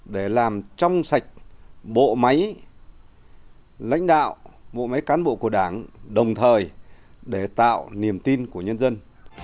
để làm trong sạch bộ máy lãnh đạo bộ máy cán bộ của đảng đồng thời để tạo niềm tin của nhân dân